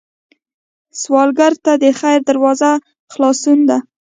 سوالګر ته د خیر دروازه خلاصون ده